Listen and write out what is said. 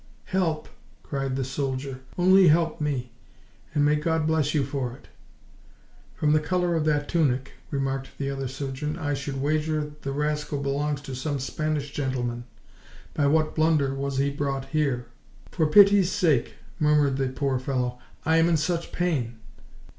"Help!" cried the soldier, "only help me! and may God bless you for it!" "From the colour of that tunic," remarked the other surgeon, "I should wager the rascal belongs to some Spanish gentleman. By what blunder was he brought here?" "For pity's sake!" murmured the poor fellow, "I am in such pain."